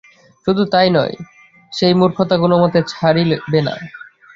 শুধু তাই নয়, সে এই মূর্খতা কোনমতে ছাড়িবে না।